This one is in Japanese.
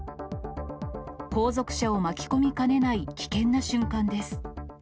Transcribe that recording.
後続車を巻き込みかねない危険な瞬間です。